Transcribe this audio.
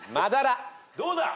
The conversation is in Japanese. どうだ？